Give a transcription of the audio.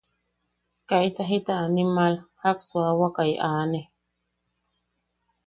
Kaita jita animal jak suawakai aane.